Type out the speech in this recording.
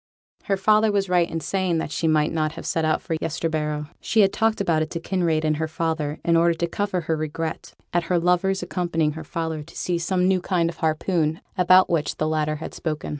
Her father was right in saying that she might not have set out for Yesterbarrow. She had talked about it to Kinraid and her father in order to cover her regret at her lover's accompanying her father to see some new kind of harpoon about which the latter had spoken.